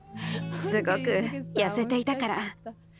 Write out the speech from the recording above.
すごく痩せていたから。